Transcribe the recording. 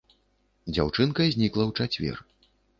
Дзяўчынка знікла ў чацвер.